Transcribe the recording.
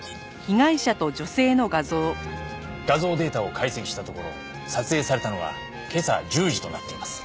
画像データを解析したところ撮影されたのは今朝１０時となっています。